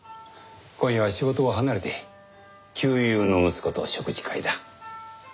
今夜は仕事を離れて旧友の息子と食事会だ。